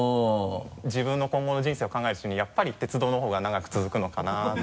自分の今後の人生を考えるうちにやっぱり鉄道の方が長く続くのかなと。